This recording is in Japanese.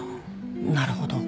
なるほど。